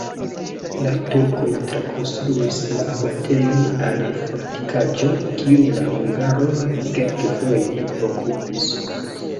La turkoj trakonstruis la abatejon al fortikaĵo, kiun la hungaroj kelkfoje okupis.